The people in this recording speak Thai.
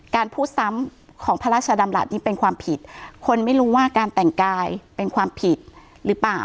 พูดซ้ำของพระราชดำรัฐนี้เป็นความผิดคนไม่รู้ว่าการแต่งกายเป็นความผิดหรือเปล่า